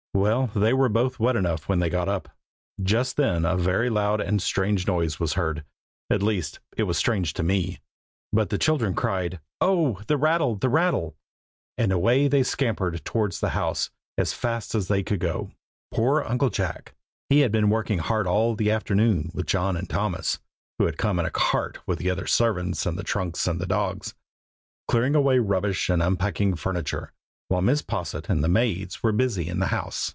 Well, they were both wet enough when they got up. Just then a very loud and strange noise was heard. At least, it was strange to me, but the children cried "Oh! the rattle, the rattle!" and away they scampered towards the house, as fast as they could go. Poor Uncle Jack! he had been working hard all the afternoon, with John and Thomas, (who had come in a cart with the other servants and the trunks and the dogs), clearing away rubbish and unpacking furniture, while Mrs. Posset and the maids were busy in the house.